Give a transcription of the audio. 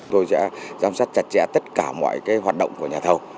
tôi sẽ giám sát chặt chẽ tất cả mọi hoạt động của nhà thầu